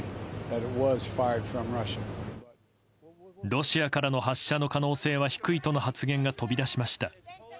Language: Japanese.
ロシアからの発射の可能性は低いとの発言が飛び出しました。